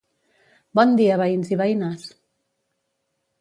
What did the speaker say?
Bon dia veïns i veïnes!